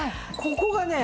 ここがね。